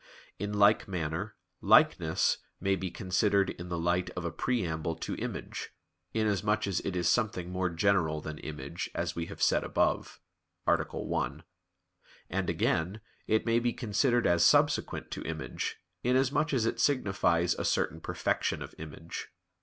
In like manner, likeness may be considered in the light of a preamble to image, inasmuch as it is something more general than image, as we have said above (A. 1): and, again, it may be considered as subsequent to image, inasmuch as it signifies a certain perfection of image.